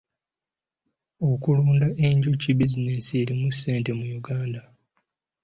Okulunda enjuki bizinensi erimu ssente mu Uganda.